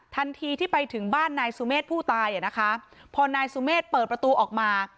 ทันทีที่ไปถึงบ้านนายสุเมฆผู้ตายอ่ะนะคะพอนายสุเมฆเปิดประตูออกมา